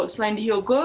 selain di hyogo